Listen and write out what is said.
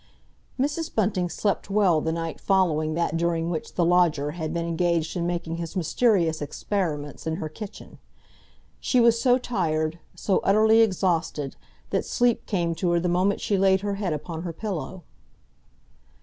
Mrs. Bunting slept well the night following that during which the lodger had been engaged in making his mysterious experiments in her kitchen. She was so tired, so utterly exhausted, that sleep came to her the moment she laid her head upon her pillow.